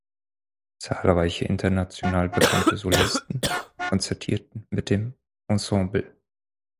Zahlreiche international bekannte Solisten konzertieren mit dem Ensemble.